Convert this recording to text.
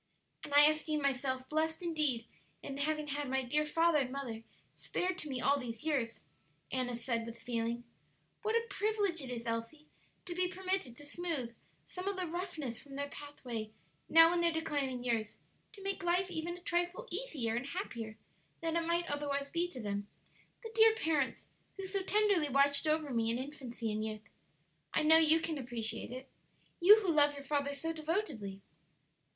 "And I esteem myself blest indeed in having had my dear father and mother spared to me all these years," Annis said, with feeling. "What a privilege it is, Elsie, to be permitted to smooth, some of the roughnesses from their pathway now in their declining years; to make life even a trifle easier and happier than it might otherwise be to them the dear parents who so tenderly watched over me in infancy and youth! I know you can appreciate it you who love your father so devotedly.